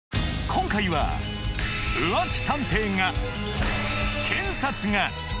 今回は浮気探偵が検察が！